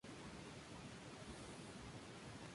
El hornazo de Salamanca y Ávila.